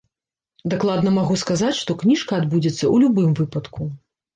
Дакладна магу сказаць, што кніжка адбудзецца ў любым выпадку.